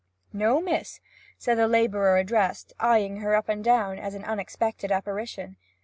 'No, miss,' said the labourer addressed, eyeing her up and down as an unexpected apparition.